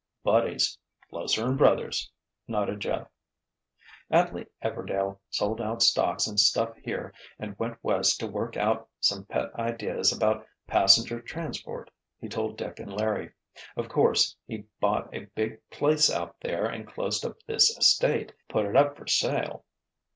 "Buddies—closer'n brothers," nodded Jeff. "Atley Everdail sold out stocks and stuff here and went West to work out some pet ideas about passenger transport," he told Dick and Larry. "Of course he bought a big place out there and closed up this estate—put it up for sale.